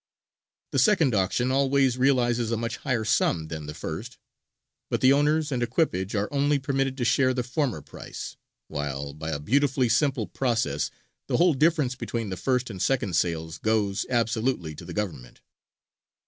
The second auction always realizes a much higher sum than the first; but the owners and equipage are only permitted to share the former price, while, by a beautifully simple process, the whole difference between the first and second sales goes absolutely to the Government.